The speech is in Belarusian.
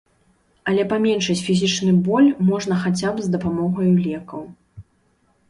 Але паменшыць фізічны боль можна хаця б з дапамогаю лекаў.